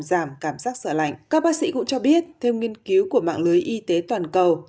giảm cảm giác sợ lạnh các bác sĩ cũng cho biết theo nghiên cứu của mạng lưới y tế toàn cầu